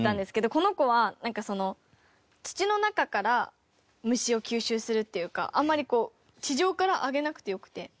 この子は土の中から虫を吸収するっていうかあんまりこう地上からあげなくてよくて。